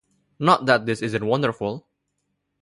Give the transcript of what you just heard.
Not that this isn't wonderful.